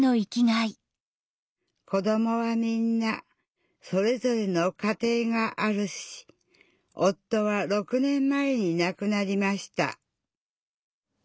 子どもはみんなそれぞれの家庭があるし夫は６年前に亡くなりました。